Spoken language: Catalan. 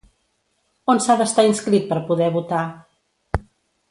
On s'ha d'estar inscrit per poder votar?